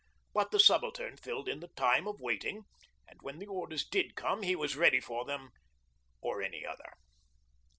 But the Subaltern filled in the time of waiting, and when the orders did come he was ready for them or any other.